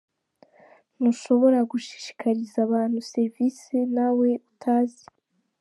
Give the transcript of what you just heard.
Ntushobora gushishikariza abantu serivisi nawe utazi.